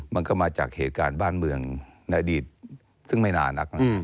มันก็มาจากเหตุการณ์บ้านเมืองในอดีตซึ่งไม่นานนัก